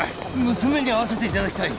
娘に会わせて頂きたい。